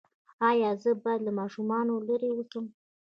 ایا زه باید له ماشومانو لرې اوسم؟